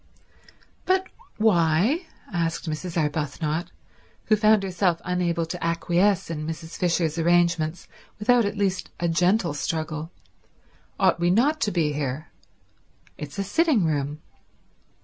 "But why," asked Mrs. Arbuthnot, who found herself unable to acquiesce in Mrs. Fisher's arrangements without at least a gentle struggle, "ought we not to be here? It's a sitting room."